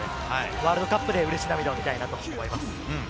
ワールドカップで嬉し涙を見たいと思います。